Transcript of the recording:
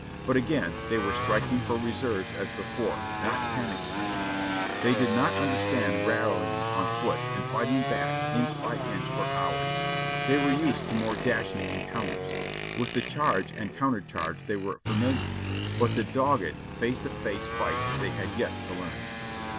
But again they were striking for reserves as before, not panic stricken. They did not understand rallying on foot and fighting back inch by inch for hours, they were used to more dashing encounters; with the charge and countercharge they were familiar, but the dogged, face to face fight they had yet to learn.